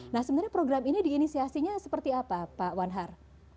nah sebenarnya program ini diinisiasinya seperti apa pak wanhar